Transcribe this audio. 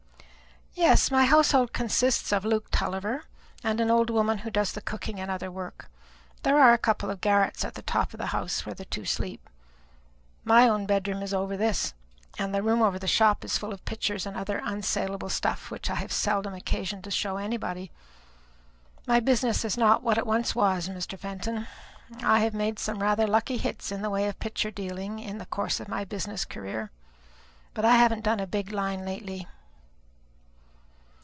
"Yes; my household consists of Luke Tulliver, and an old woman who does the cooking and other work. There are a couple of garrets at the top of the house where the two sleep; my own bedroom is over this; and the room over the shop is full of pictures and other unsaleable stuff, which I have seldom occasion to show anybody. My business is not what it once was, Mr. Fenton. I have made some rather lucky hits in the way of picture dealing in the course of my business career, but I haven't done a big line lately."